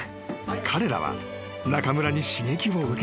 ［彼らは中村に刺激を受け